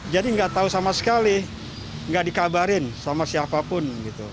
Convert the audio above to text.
jadi gak tau sama sekali gak dikabarin sama siapapun